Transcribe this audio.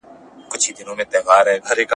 زه اوږده وخت د سبا لپاره د نوي لغتونو يادوم!